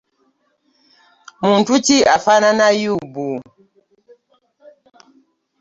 Muntu ki afaanana Yobu .